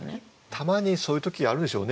たまにそういう時あるでしょうね。